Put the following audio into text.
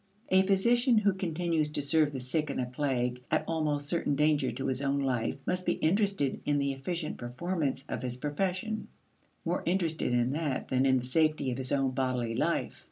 A physician who continues to serve the sick in a plague at almost certain danger to his own life must be interested in the efficient performance of his profession more interested in that than in the safety of his own bodily life.